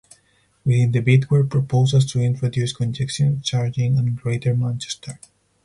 Within the bid were proposals to introduce Congestion charging in Greater Manchester.